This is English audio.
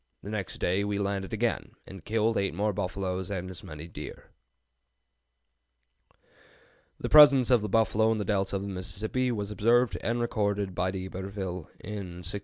The next day we landed again, and killed eight more buffaloes and as many deer." [Note 12: Ibid., pp. 88 91.] The presence of the buffalo in the Delta of the Mississippi was observed and recorded by D'Iberville in 1699.